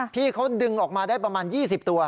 พี่เขาดึงออกมาได้ประมาณ๒๐ตัว